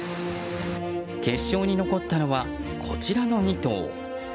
決勝に残ったのは、こちらの２頭。